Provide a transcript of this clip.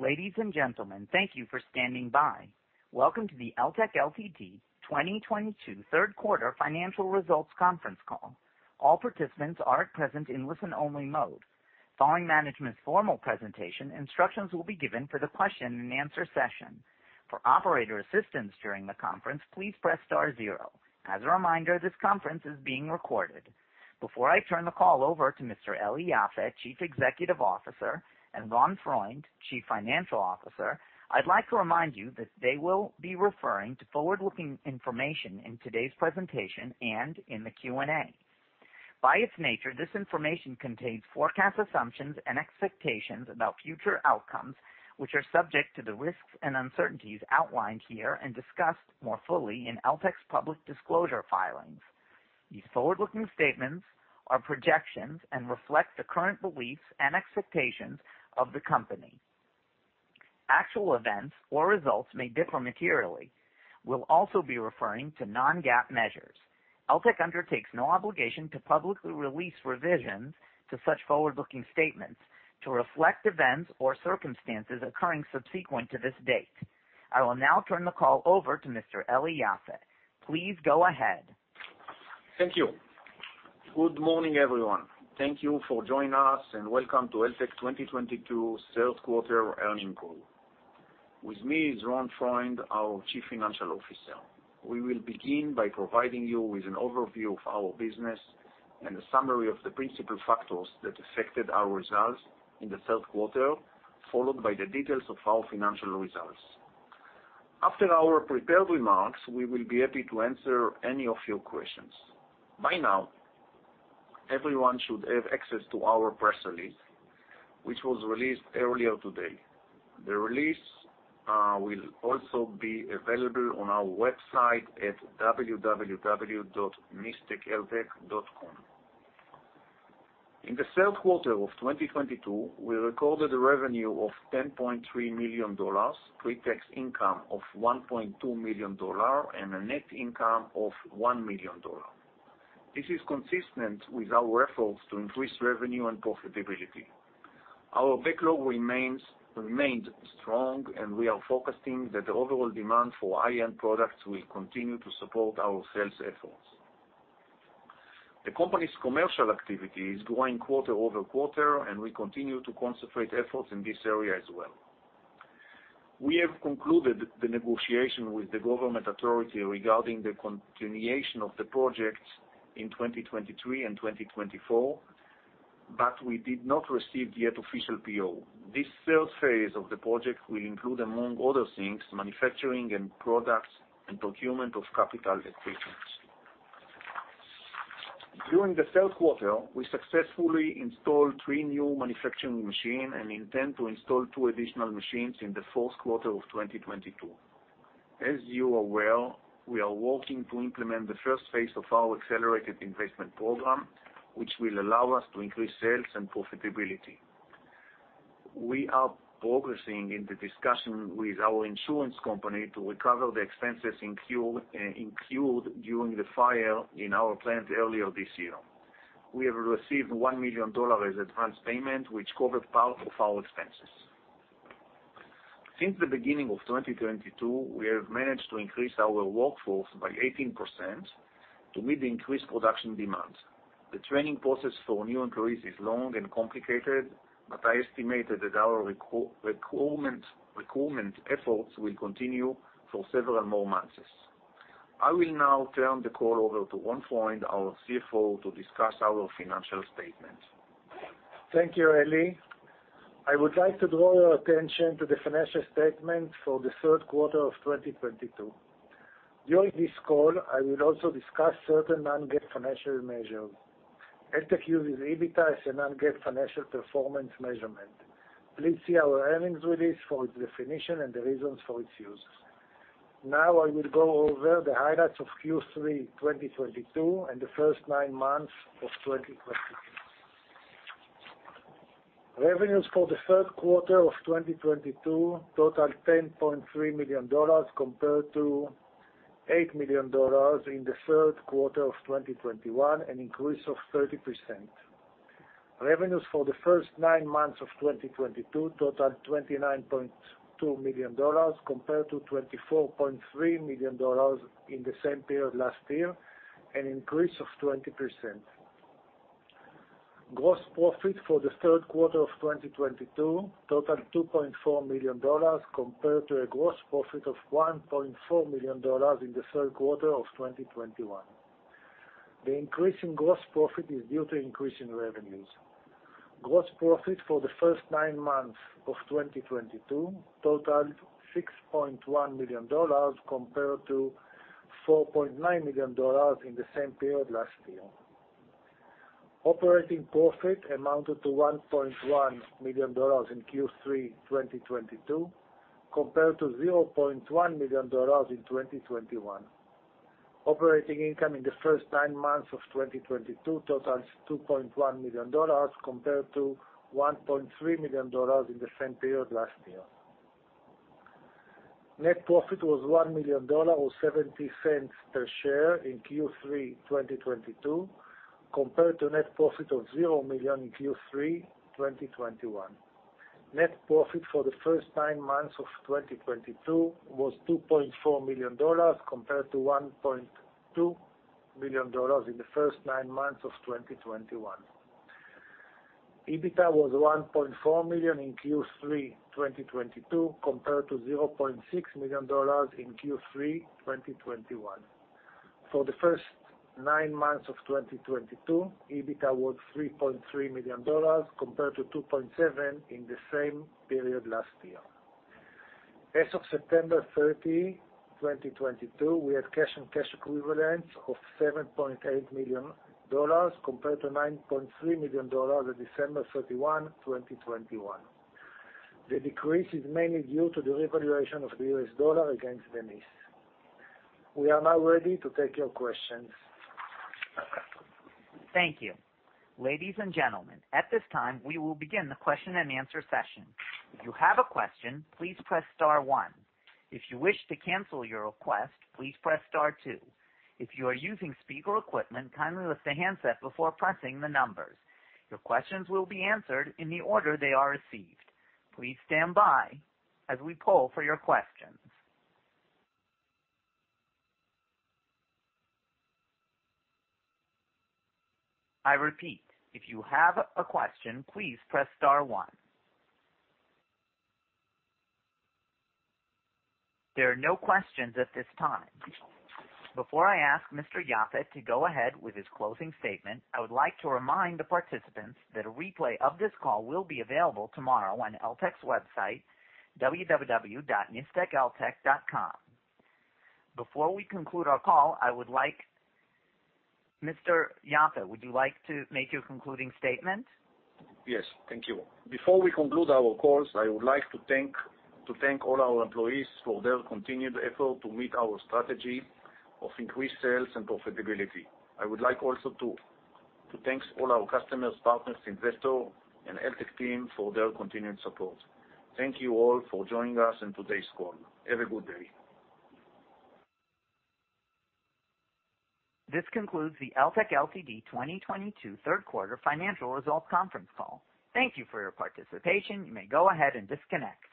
Ladies and gentlemen, thank you for standing by. Welcome to the Eltek Ltd. 2022 third quarter financial results conference call. All participants are at present in listen-only mode. Following management's formal presentation, instructions will be given for the question and answer session. For operator assistance during the conference, please press star zero. As a reminder, this conference is being recorded. Before I turn the call over to Mr. Eli Yaffe, Chief Executive Officer, and Ron Freund, Chief Financial Officer, I'd like to remind you that they will be referring to forward-looking information in today's presentation and in the Q&A. By its nature, this information contains forecast assumptions and expectations about future outcomes, which are subject to the risks and uncertainties outlined here and discussed more fully in Eltek's public disclosure filings. These forward-looking statements are projections and reflect the current beliefs and expectations of the company. Actual events or results may differ materially. We'll also be referring to non-GAAP measures. Eltek undertakes no obligation to publicly release revisions to such forward-looking statements to reflect events or circumstances occurring subsequent to this date. I will now turn the call over to Mr. Eli Yaffe. Please go ahead. Thank you. Good morning, everyone. Thank you for joining us, and welcome to Eltek 2022 third quarter earnings call. With me is Ron Freund, our Chief Financial Officer. We will begin by providing you with an overview of our business and a summary of the principal factors that affected our results in the third quarter, followed by the details of our financial results. After our prepared remarks, we will be happy to answer any of your questions. By now, everyone should have access to our press release, which was released earlier today. The release will also be available on our website at www.nisteceltek.com. In the third quarter of 2022, we recorded a revenue of $10.3 million, pre-tax income of $1.2 million, and a net income of $1 million. This is consistent with our efforts to increase revenue and profitability. Our backlog remained strong, and we are focusing on the fact that the overall demand for high-end products will continue to support our sales efforts. The company's commercial activity is growing quarter-over-quarter, and we continue to concentrate efforts in this area as well. We have concluded the negotiation with the government authority regarding the continuation of the project in 2023 and 2024, but we did not yet receive official PO. This third phase of the project will include, among other things, manufacturing of products and procurement of capital equipment. During the third quarter, we successfully installed three new manufacturing machines and intend to install two additional machines in the fourth quarter of 2022. As you are aware, we are working to implement the first phase of our accelerated investment program, which will allow us to increase sales and profitability. We are progressing in the discussion with our insurance company to recover the expenses incurred during the fire in our plant earlier this year. We have received $1 million as advanced payment, which covered part of our expenses. Since the beginning of 2022, we have managed to increase our workforce by 18% to meet the increased production demands. The training process for new employees is long and complicated, but I estimate that our recruitment efforts will continue for several more months. I will now turn the call over to Ron Freund, our CFO, to discuss our financial statement. Thank you, Eli. I would like to draw your attention to the financial statement for the third quarter of 2022. During this call, I will also discuss certain non-GAAP financial measures. Eltek uses EBITDA as a non-GAAP financial performance measurement. Please see our earnings release for its definition and the reasons for its use. Now I will go over the highlights of Q3 2022 and the first nine months of 2022. Revenues for the third quarter of 2022 totaled $10.3 million compared to $8 million in the third quarter of 2021, an increase of 30%. Revenues for the first nine months of 2022 totaled $29.2 million compared to $24.3 million in the same period last year, an increase of 20%. Gross profit for the third quarter of 2022 totaled $2.4 million compared to a gross profit of $1.4 million in the third quarter of 2021. The increase in gross profit is due to increase in revenues. Gross profit for the first nine months of 2022 totaled $6.1 million compared to $4.9 million in the same period last year. Operating profit amounted to $1.1 million in Q3 2022 compared to $0.1 million in 2021. Operating income in the first nine months of 2022 totals $2.1 million compared to $1.3 million in the same period last year. Net profit was $1 million or $0.70 per share in Q3 2022 compared to net profit of $0 million in Q3 2021. Net profit for the first nine months of 2022 was $2.4 million compared to $1.2 million in the first nine months of 2021. EBITDA was $1.4 million in Q3 2022 compared to $0.6 million in Q3 2021. For the first nine months of 2022, EBITDA was $3.3 million compared to $2.7 million in the same period last year. As of September 30, 2022, we had cash and cash equivalents of $7.8 million compared to $9.3 million at December 31, 2021. The decrease is mainly due to the revaluation of the US dollar against the NIS. We are now ready to take your questions. Thank you. Ladies and gentlemen, at this time, we will begin the question-and-answer session. If you have a question, please press star one. If you wish to cancel your request, please press star two. If you are using speaker equipment, kindly lift the handset before pressing the numbers. Your questions will be answered in the order they are received. Please stand by as we poll for your questions. I repeat, if you have a question, please press star one. There are no questions at this time. Before I ask Mr. Yaffe to go ahead with his closing statement, I would like to remind the participants that a replay of this call will be available tomorrow on Eltek's website, www.nisteceltek.com. Before we conclude our call, Mr. Yaffe, would you like to make your concluding statement? Yes, thank you. Before we conclude our calls, I would like to thank all our employees for their continued effort to meet our strategy of increased sales and profitability. I would like also to thank all our customers, partners, investor and Eltek team for their continued support. Thank you all for joining us in today's call. Have a good day. This concludes the Eltek Ltd. 2022 third quarter financial results conference call. Thank you for your participation. You may go ahead and disconnect.